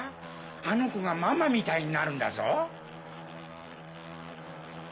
あの子がママみたいになるんだぞ。